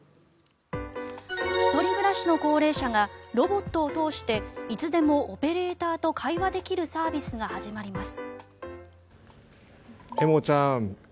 １人暮らしの高齢者がロボットを通していつでもオペレーターと会話できるサービスが始まります。